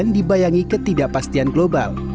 dibayangi ketidakpastian global